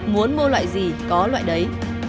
muốn mua loại gì có loại đấy